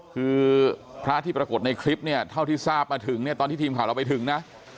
คือพระที่ปรากฏในคลิปเนี่ยเท่าที่ทราบมาถึงเนี่ยตอนที่ทีมข่าวเราไปถึงนะ